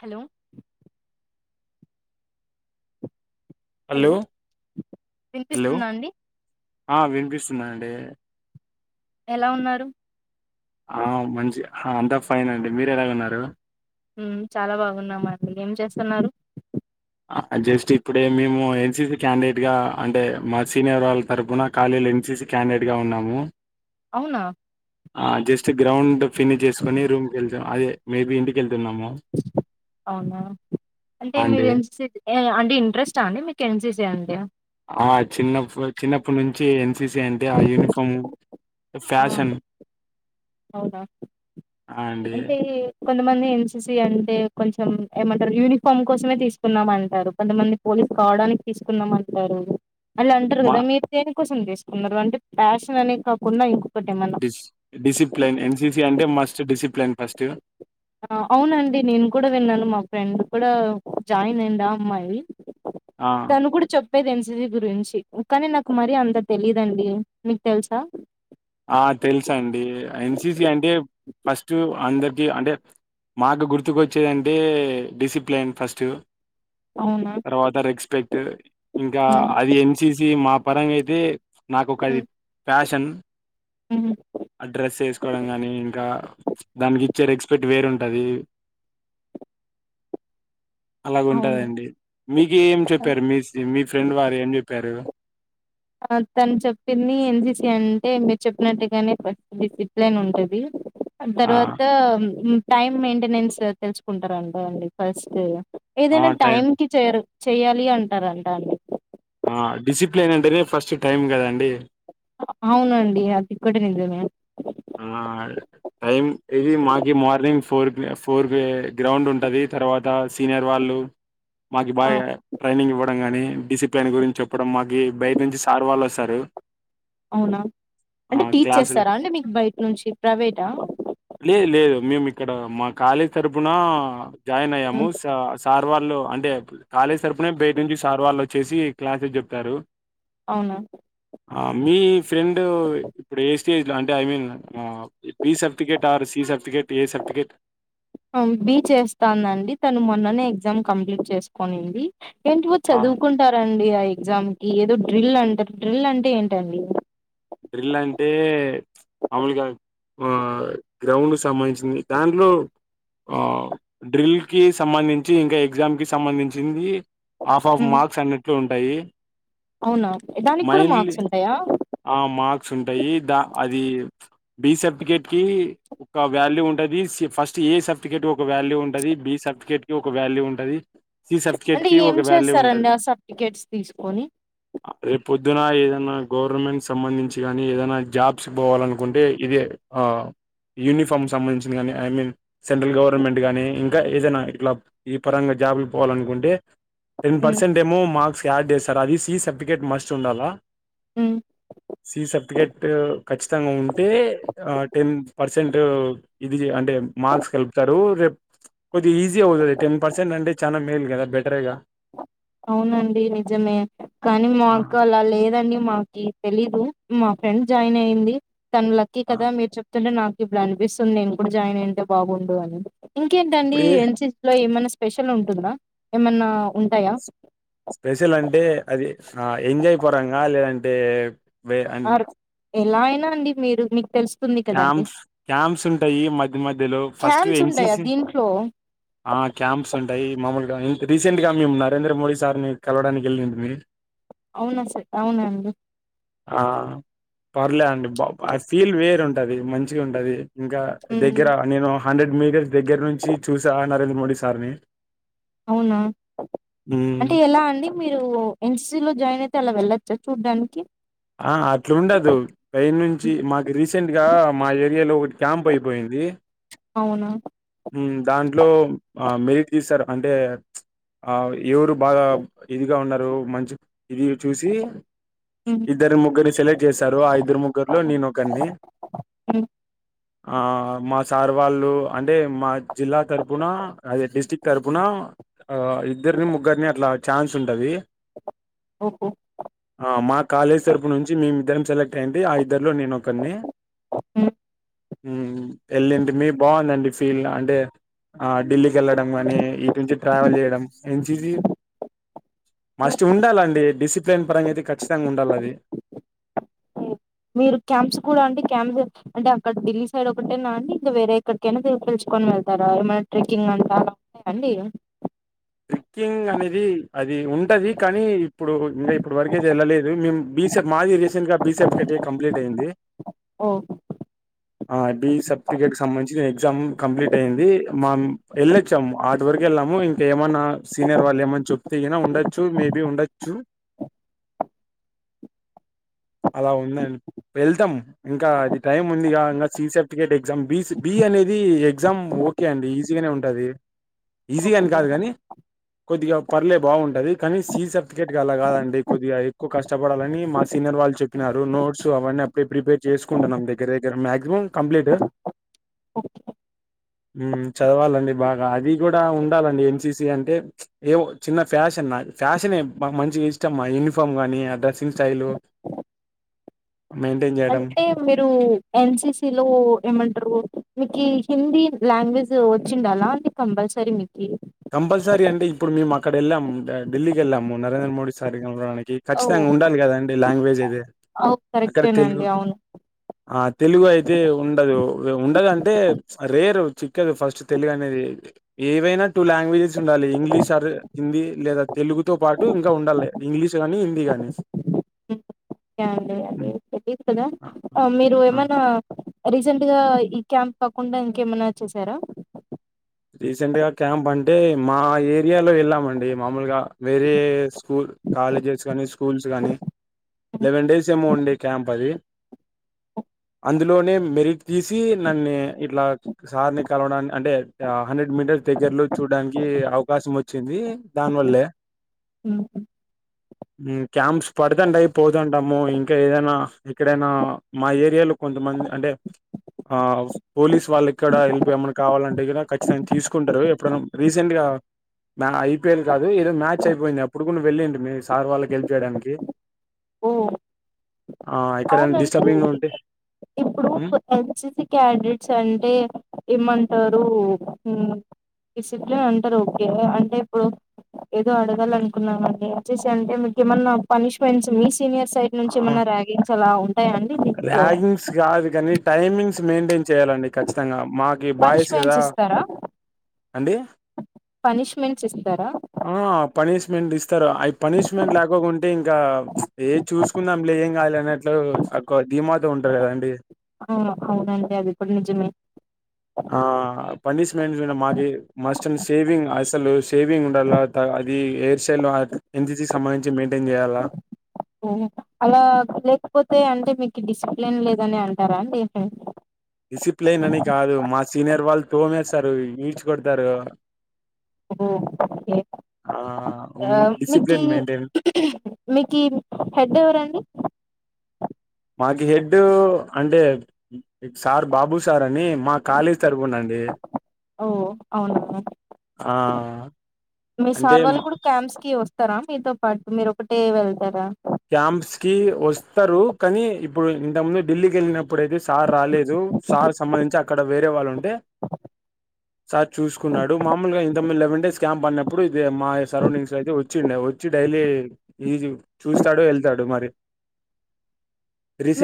Hello hello hello వినిపిస్తుందా అండి ఆ వినిపిస్సుంది అండి ఎలా ఉన్నారు ఆ మంచి హా అంతా ఫైన్ అండి మీరు ఎలాగున్నారు ఉమ్ చాలా బాగున్నామండి ఏం చేస్తున్నారు అ జస్ట్ ఇప్పుడే మేము ఎన్ సి సి క్యాండిడేట్ గా అంటే మా సీనియర్ వాళ్ళ తరుపున ఖాళీ లెన్సిసి క్యాండేట్ గా ఉన్నాము అవునా ఆ జస్ట్ గ్రౌండ్ ఫినిష్ చేసుకొని రూమ్ కెళ్ళిపోయాం అదే మేబి ఇంటికెళ్ అవునా అంటే మీరు అండి ఎన్ సి [unintelligible] అంటే ఇంట్రెస్ట్ ఆ అండి మీకు ఎన్ సి సీ అంటే ఆ చిన్నప్పు చిన్నప్పుడి నుంచి ఎన్ సి సి అంటే ఆ యూనిఫామ్ ఆ ఫ్యాషన్ అవునా ఆ అండి అంటే కొంతమంది ఎన్సిసి అంటే కొంచెం ఏమంటారు యూనిఫామ్ కోసమే తీసుకున్నామంటారు కొంతమంది పోలీస్ కావడానికి తీసుకున్నాం అంటారు అలా అంటారు మా కదా మీరు దేనికోసం తీసుకున్నారు అంటే ప్యాషన్ అనే కాకుండా ఏమన్నా డిస్ డిసిప్లిన్ ఎన్సిసి అంటే మస్ట్ డిసిప్లిన్ ఫస్ట్ ఆ అవునండి నేను కూడా విన్నాను మా ఫ్రెండ్ కూడా జాయిన్ అయింది ఆ అమ్మాయి ఆ తను కూడా చెప్పు ది ఎన్సిసి గురించి కానీ నాకు మరి అంత తెలీయదండి మీకు తెలుసా ఆ తెలుసండి ఎన్సిసి అంటే ఫస్ట్ అందరికి అంటే మాకు గుర్తుకొచ్చేదంటే డిసిప్లిన్ ఫస్ట్ అవునా తర్వాత రెస్పెక్ట్ ఇంకా ఉమ్ అది ఎన్సిసి మా పరంగా అయితే నాకు ఒక అది ఉమ్ ఫ్యాషన్ ఉహు ఆ డ్రెస్ వేసుకోవడం కాని ఇంకా దానికి ఇచ్చే రెస్పెక్ట్ వేరుంట తది అవును అలాగుంటదండి మీకు ఏం చెప్పారు మీ మీ ఫ్రెండ్ వారు ఏం చెప్పారు తను చెప్పింది ఎన్సిసి అంటే మీరు చెప్పినట్టుగానే ఫస్ట్ డిసిప్లిన్ ఉంటుంది ఆ! తర్వాత టైమ్ మెయింటెనెన్స్ తెలుసుకుంటారంట అండి ఫస్ట్ ఏదైనా టైం కి చేరు చేయాలి అంటారంట అండి ఆ డిసిప్లిన్ అంటేనే ఫస్ట్ టైం కదండి అవునండి అది కూడా నిజమే ఆ టైం ఇది మాకి మార్నింగ్ ఫోర్ ఫోర్ వే గ్రౌండ్ ఉంటది తర్వాత సీనియర్ వాళ్ళు మాకి ఆ! బాగా ట్రైనింగ్ ఇవ్వడం గాని డిసిప్లిన్ గురించి చెప్పడం మాకి బయట నుంచి సార్ వాళ్ళు వస్తారు అవునా ఆ అంటే టీచ్ క్లాసులు చేస్తారా అంటే మీకు బయట నుంచి ప్రైవేటా లే లేదు మేము ఇక్కడ మా కాలేజ్ తరఫున జాయిన్ అయ్యాము హ్మ్. సార్ సార్ వాళ్ళు అంటే కాలేజ్ తరపున బయట నుంచి సార్ వాళ్ళు వచ్చేసి క్లాసెస్ చెప్తారు అవునా ఆ మీ ఫ్రెండ్ ఇప్పుడు ఏ స్టేజిలో అంటే I mean B certificate or C certificate A certificate B చెస్తాండండి తను మొన్ననే ఎగ్జామ్ కంప్లీట్ చేసుకునింది ఏంటివో ఆ చదువుకుంటారండి ఆ ఎగ్జామ్ ఏదో డ్రిల్ అంటారు డ్రిల్ అంటే ఏంటండి డ్రిల్ అంటే మాములుగా ఆ గ్రౌండ్ సంబంధించింది దాంట్లో ఆ డ్రిల్ కి సంబంధించి ఇంకా ఎగ్జామ్ కి సంబంధించింది ఆఫ్ ఆఫ్ హ్మ్. మార్క్స్ అన్నిట్ల ఉంటాయి అవునా దానికి కూడా మైన్లీ మార్క్స్ ఉంటాయా ఆ మార్క్స్ ఉంటాయి దా అది బి సర్టిఫికేట్ కి ఒక వ్యాల్యూ ఉంటది. స్ ఫస్ట్ ఏ సర్టిఫికేట్ ఒక వ్యాల్యూ ఉంటది బి సర్టిఫికేట్ కి ఒక వాల్యూ ఉంటది సి సర్టిఫికెట్ అంటే కి ఏం ఒక వ్యాల్యూ చేస్తారండి ఉంటది ఆ సర్టిఫికేట్స్ తీసుకొని రేపు పొద్దున ఏదన్నా గవర్నమెంట్ సంబంధించి కానీ ఏదైనా జాబ్స్ పోవాలనుకుంటే ఇదే ఆ యూనిఫామ్ సంబంధించిన కానీ ఐ మీన్ సెంట్రల్ గవర్నమెంట్ గానీ ఇంకా ఏదైనా ఇట్లా ఈ పరంగా జాబ్లకి పోవాలనుకుంటే టెన్ హ్మ్. పర్సెంట్ ఏమో మార్క్స్ యాడ్ చేస్తార్ అది సి సర్టిఫికేట్ మస్ట్ ఉండాలా ఉమ్ సి సర్టిఫికెట్ కచ్చితంగా ఉంటే టెన్ పర్సెంట్ ఇది అంటే మార్క్స్ కలుపుతారు రేప్ కొద్ది ఈజీవు అవుతాది టెన్ పర్సెంట్ అంటే చా మేల్గాద బెటరెగా అవునండి నిజమే కానీ ఆ మాకు అలా లేదండి మాకి తెలీదు మా ఫ్రెండ్ జాయిన్ అయింది తన లక్కీ ఆ కదా మీరు చెప్తుంటే నాక్ ఇప్పుడు అనిపిస్తుంది. నేను కూడా జాయిన్ అయింటే బాగుండు ఇప్పుడే అని స్పెషల్ ఉంటుందా? ఏమన్నా ఉంటాయా? స్పెషల్ అంటే అది ఆ ఎంజాయ్ పరంగా లేదంటే వే అమ్ ఆర్ ఎలా అయినా అండి మీరు మీక్ తెలుస్ క్యాంప్స్ క్యాంప్స్ ఉంటాయి మధ్య మధ్యలో ఫస్ట్ క్యాన్స్ ఎన్. సి. ఉంటాయా సి దీంట్లో ఆ క్యాంప్స్ ఉంట్ టాయ్ మామూలుగా రీసెంట్ గా మేము నరేంద్ర మోడీ సార్ ను కలవడానికి ఎల్లింటిమీ అవున సార్ అవునండి ఆ పర్లే అండి బ ఆ ఫీల్ వేరు ఉంటది మంచిగ ఉంటది ఇంకా ఉమ్ దగ్గర నేను హండ్రెడ్ మీటర్స్ దగ్గర నుంచి చూసా నరేంద్ర మోడీ సార్ ని అవునా మ్మ్ అంటే ఎలా అండి మీరు ఎన్సిలో జాయిన్ అయి అలా వెళ్లొచ్చా చూడ్డానికి ఆ అట్లుండదు పైన్ నుంచి హ్మ్. మాకు రీసెంట్ గా మా ఏరియాలో ఒకటి క్యాంప్ అయిపోయింది. ది అవునా ఉమ్ దాంట్లో ఆ మెరిట్ తీసారు అంటే ఆ ఎవరు బాగా ఇదిగా ఉన్నారు మంచి ఇది చూసి ఉమ్ ఇద్దరు ముగ్గురు సెలెక్ట్ చేశారు ఆ ఇద్దరు ముగ్గురులో నేనొకొరిని ఉమ్ ఆ మా సార్ వాళ్ళు అన్ అంటే మా జిల్లా తరుపునా అదే డిస్టిక్ తరుపునా ఆ ఇద్దరిని ముగ్గురిని అట్లా ఛాన్స్ ఉంటది. ఓహో ఆ మా కాలేజ్ తరపు నుంచి మేమి ఇద్దరం సెలెక్ట్ అయింటి ఆ ఇద్ ఇద్దర్లో నేను ఒకని ఉమ్ ఉమ్ వెళ్ళింటిమి బాగుందండి ఫీల్ అంటే ఆ ఢిల్లీకి వెళ్లడం కానీ ఇటు నుంచి ట్రావెల్ చేయడం ఎన్. సి. సి మస్ట్ ఉండాలండి డిసిప్లేన్ పరంగా అయితే ఖచ్చితంగా ఉండాలి అది మీరు క్యాంప్స్ కూడా అంటె క్యాంప్స్ అంటే అక్కడ ఢిల్లీ సైడ్ ఒకటేనా అండి ఇంకా వేరే ఎక్కడికైనా వేరే పిల్చ్ [inaudible] కప్పుకొని వెళ్తారా ఏమైనా ట్రీక్కింగ్ అంతా ఉంటాయ అండి ట్రెక్కింగ్ అనేది అద్ ఇది ఉంటది కానీ ఇప్పుడు ఇగ ఇప్పుడు వరకె చేయల లేదు మేము బిస మాది రీసెంట్ గా బిస కటెక్ కంప్లీట్ అయింది ఓ ఆ బి సర్టిఫికేట్ క సంబంధించి నేను ఎగ్జామ్ కంప్లీట్ అయ్యింది మా ఎల్లె సం అద్ వరకు ఎళ్ళాము ఇం ఏమన్న సీనియర్ వాళ్ళు ఏమని చెప్తే ఈనా ఉండొచ్చు మేబి ఉండొచ్చు. అలా ఉందండి వెళ్తాం ఇంకా అది టైం ఉందిగా ఇంకా C certificate exam B certificate B అనేది ఎగ్జామ్ ఓకే అండి ఈజీగానే ఉంటది ఈజీగా అని ఓకే కాదు గానీ కొద్దిగా పర్లే బాగుంటది కానీ సీ సర్టిఫికెట్గా అలా కాదండి కొద్దిగా ఎక్కువ కష్టపడాలని మా సీనియర్ వాళ్ చెప్పినారు నోట్స్ అవన్నీ అప్పుడే ప్రిపేర్ చేసుకుంటాన్నామ్ దగ్గర దగ్గర మాక్సిమం కంప్లీట్ అ ఉమ్మ్ చదవాలండి బాగా అది కూడా ఉండాలండి ఎన్. సి. సి అంటే ఏవో చిన్న ఫ్యాషన్ నా ఫ్యాషన్ నే మంచిగా ఇష్టం మా యూనిఫామ్ కానీ ఆ డ్రెస్సింగ్ స్టైలు మెయింటైన్ చేయడం. అంటే మీరు ఎన్. సి. సి లో ఏమంటరు మీకి హిందీ లాంగ్వేజ్ వచ్చిండలా అంటే కంపల్సరీ మీకీ కంపల్సరీ అంటే ఇప్పుడు మేము అక్కడ ఎళ్ళామ్ ఢిల్లీకి ఎళ్ళాము నరేంద్ర మోడీ సార్ ని కలవడానికి ఓ ఖచ్చితంగా ఉండాలి కదండి లాంగ్వేజ్ అయితే ఓ కరెక్టేనండి అవును ఆ తెలుగు అయితే ఉండదు. ఉండదంటే రేరు, చిక్కదు ఫస్ట్ తెలుగు అనేది. ఏవైనా. టూ లాంగ్వేజెస్ ఉండాలి. ఇంగ్లీష్ ఆర్ హిందీ లేదా తెలుగు తో పాటు ఇంకా ఉండాలి, ఇంగ్లీష్ గానీ, హిందీ అనేసి. [inaudible] ఒకే అండి అదే తెలీదు కదా. ఆ మీరు ఏమన్నా రీసెంట్ గా ఈ క్యాంప్ కాకుండా, ఇంకేమైనా చేసారా. రీసెంట్ గా క్యాంప్ అంటే, మా ఏరియాలో ఎళ్ళామండి. మామూలుగా వేరే స్కూల్, కాలేజెస్ గానీ, స్కూల్స్ గానీ లెవెన్ డేస్ ఏమో ఉండే క్యాంప్ అది. అందులోనే మెరిట్ తీసి, నన్నే ఇట్లా సార్ని కలవడాన్ని అంటే, ఆ హండ్రెడ్ మీటర్ దగ్గరలో చూడ్డానికి అవకాశం ఓచ్చింది, దానివల్లే. ఉహుమ్. ఉమ్ క్యాంప్స్ పడతంటాయి, పోతంటము. ఇంకా ఏదైనా, ఎక్కడైనా మా ఏరియాలో కొం కొంతమంది అంటే, ఆ పోలీస్ వాళ్ళు ఇక్కడ హెల్ప్ ఏమన్నా కావాలంటే గిన, ఖచ్చితంగా తీసుకుంటారు. ఎప్పుడైనా రీసెంట్ గా, మ ఐపీఎల్ కాదు, ఏదో మ్యాచ్ అయిపోయింది. అప్పుడు కూడా వెళ్ళింటిమీ, సార్ వాళ్ళకి హెల్ప్ చేయడానికి. ఓ. ఆ ఎక్కడైనా డిస్టబింగ్గా ఉంటే, హ్మ్? ఎన్ సీ సీ క్యాన్డెట్స్ అంటే, ఏమంటారు ఉమ్. డిసిప్లిన్ ఉంటారు. ఓకే అంటే ఇప్పుడు, ఏదో అడగాలానుకున్నామండి. ఎన్ సీ సీ అంటే మీకు ఏమన్నా పనిష్మెంట్స్ [inaudible] సీనియర్ సైడ్ ఆ, నుంచి, ఏమన్నా ర్యాగింగ్స్ అలా ఉంటాయా అండి దీంట్లో. ర్యాగింగ్స్ కాదు కానీ టైమింగ్స్ మెయింటైన్ చేయాలండి ఖచ్చితంగా. మాకి బాయ్స్ పనిష్మెంట్స్ కదా. ఇస్తారా అండి. పనిష్మెంట్స్ ఇస్తారా. ఆ పనిష్మెంట్ ఇస్తారు. అయి పనిష్మెంట్ లేకాకుంటే ఇంకా, ఏ చూసుకుందాం లే, ఏం కాదులే అన్నట్టు, అక్కువ ధీమాతో ఉంటార్ కదండి. అ అవునండి, అది కూడా నిజమే. ఆ పనిష్మెంట్స్ మాకి, మస్ట్ అన్ సేవింగ్ అసలు, షేవింగ్ ఉండాల. [inaudible] అది హెయిర్ స్టైల్ హాక్, ఎన్ సీ సీ సంబంధించి మెయింటైన్ జేయాలా. ఉహు అలా లేకపోతే, అంటే మీకి డిసిప్లిన్ లేదని అంటారా అండి. [unintelligible] డిసిప్లైన్ అని కాదు, మా సీనియర్ వాళ్ళు తోమేస్తారు, ఈడ్చి కొడతారు. ఓ ఓకే. ఆహ్, ఆ ఉన్ మీకి, డిసిప్లిన్ మెయింటైన్ మీకి హెడ్ ఎవరండి. మాకీ హెడ్ అంటే, సార్ బాబు సార్ అని మా కాలేజీ తరుపునండ్ దే. ఓ అవునా. ఆ. మీ అంటే సార్ మ వాళ్ళు కూడా క్యాంప్స్ కి వస్తారా మీతో పాటు, మీరు ఒకటే వెళ్తారా. క్యాంప్స్ కి ఓస్తారు, కానీ ఇప్పుడు ఇంత ముందు ఢిల్లీకి ఎళ్ళినప్పుడయితే సార్ రాలేదు. సార్ సంబంధించి, అక్కడ వేరే వాళ్ళు ఉంటే, [inaudible] సార్ చూసుకున్నాడు. మామూలుగా ఇంతకు ముందు లేవెన్ క్యాంపు అన్నప్పుడు, ఇదే మాయి సరౌండింగ్స్ కి వచ్చిండే, వచ్చి డై [unintelligible] చూస్తాడు, వెళ్తాడు మరి.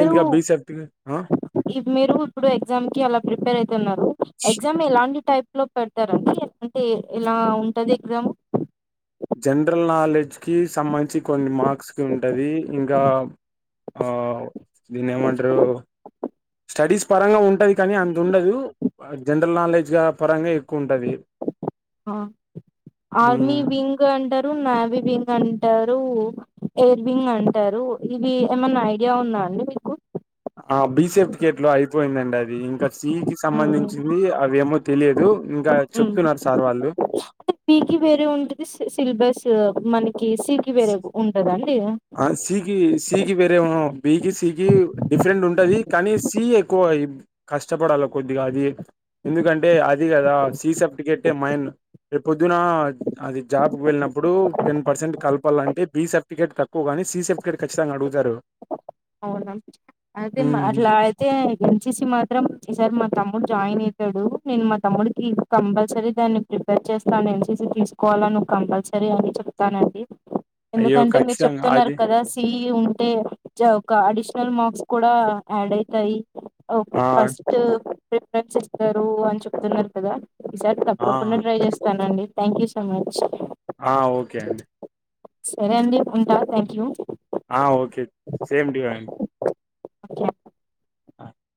మీరు బీ సర్టిఫికెట్ ఆ ఇప్ మీరు ఇప్పుడు ఎగ్జామ్ కి అలా ప్రిపేర్ అయితున్నారు. ఎగ్జామ్ ఎలాంటి టైప్ లో పెడతారండి. అంటే ఇలా ఉంటది ఎగ్జామ్? జనరల్ నాలెడ్జ్ కి సంబంధించి కొన్ని మార్క్స్ కి ఉంటుంది. ఇంకా ఆ దీన్నేమంటారు. స్టడీస్ పరంగా ఉంటది, కానీ అంత ఉండదు. జనరల్ నాలెడ్జ్ గా పరంగా ఎక్కువ ఉంటది ఆర్మీ వింగ్ అంటారు నవీ వింగ్ అ అంటారు ఎయిర్వింగ్ అంటారు ఇవి ఏమన్నా ఐడియా ఉంద అండి మీకు ఆ బి సర్టిఫికెట్ లో అయిపోయిందండి అది ఇంకా సి కి హ్మ్. సంబంధించింది అ అవేమో తెలియదు ఇంకా హ్మ్. చెప్తున్నారు సార్ వాళ్ళు అంటే పీకి వేరే ఉంటది సిలబస్ మనకి సికి వేరే ఉంటదండి ఆ సీకి సీకి వేరే బికి సి కి డిఫరెంట్ ఉంటది కానీ సి ఎక్కువ కష్టపడాలి కొద్దిగా అది ఎందుకంటే అది కదా సీ సర్టిఫికెట్ మైన్ రే పొద్దున అది జాబ్ కువెళ్ళినప్పుడు టెన్ పర్సెంట్ కలపాల అంటే బి సర్టిఫికేట్ తక్కువ కానీ సి సర్టిఫికేట్ ఖచ్చితంగా అడుగుతారు అవునా అదే హ్మ్. అట్లా అయితే ఎన్సిసి మాత్రం ఈసారి మా తమ్ముడు జాయిన్ అయి తాడు నేను మా తమ్ముడికి కంపల్సరీ దాన్ని ప్రిపేర్ చేస్తాను ఎంసిసీ తీసుకోవాలా నువ్వు కంపల్సరీ సరే అని చెప్తానండి అయ్యో ఎందుకంటే మీరు ఖచ్చితంగా చెప్తున్నారు అది కదా సిఈ ఉంటే ఒక అడిషనల్ మార్క్స్ కూడా యాడ్ అయితాయి ఓ ఆ ఫస్ట్ ప్రిఫరెన్స్ ఇస్తారు అని చెప్తున్నారు కదా ఈసారి ఆ తప్పకుండా ట్రై చేస్తానండి థ్యాంక్ యూ సో మచ్ ఆ ఓకే అండి సరే అండి ఉంటా థాంక్స్ యూ ఆ ఓకే సేమ్ టు యూ అ ఆ